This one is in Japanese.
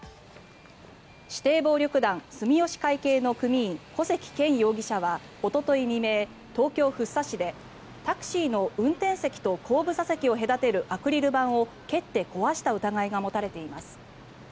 指定暴力団住吉会系の組員古関健容疑者はおととい未明、東京・福生市でタクシーの運転席と後部座席を隔てるアクリル板を蹴って壊した疑いが持たれています。